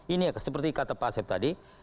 ini ya seperti kata pak asep tadi